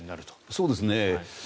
そうですね。